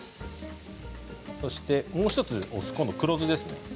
そして、もう１つ、お酢今度、黒酢ですね。